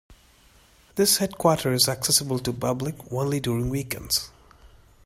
This headquarter is accessible to public only during weekends.